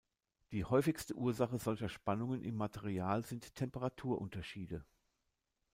Die häufigste Ursache solcher Spannungen im Material sind Temperaturunterschiede.